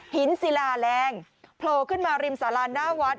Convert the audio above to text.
ศิลาแรงโผล่ขึ้นมาริมสาราหน้าวัด